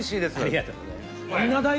ありがとうございます。